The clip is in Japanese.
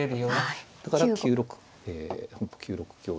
だから９六え本譜９六香同。